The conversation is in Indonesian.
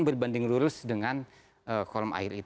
berbanding lurus dengan kolom air